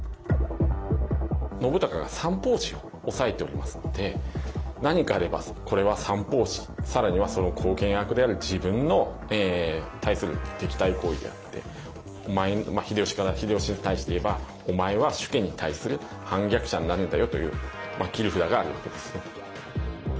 信孝が三法師を抑えておりますので何かあればこれは三法師更にはその後見役である自分の対する敵対行為であって秀吉に対して言えばお前は主家に対する反逆者になるんだよという切り札があるわけですね。